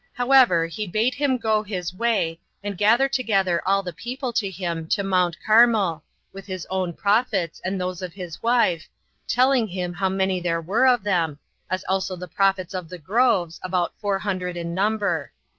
However, he bade him go his way, and gather together all the people to him to Mount Carmel, with his own prophets, and those of his wife, telling him how many there were of them, as also the prophets of the groves, about four hundred in number.